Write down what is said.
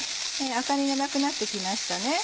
赤みがなくなってきましたね。